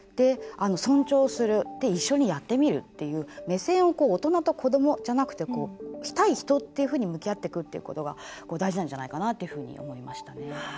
尊重する、一緒にやってみるという目線を大人と子どもじゃなくて対人っていうふうに向き合っていくということが大事なんじゃないかなと思いました。